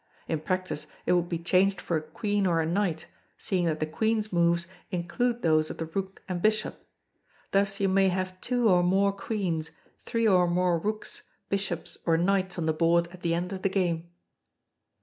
In practice it would be changed for a Queen or a Knight, seeing that the Queen's moves include those of the Rook and Bishop. Thus you may have two or more Queens, three or more Rooks, Bishops, or Knights on the board at the end of the game.